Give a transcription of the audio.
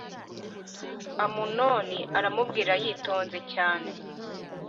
Amunoni aramubwira yitonze cyane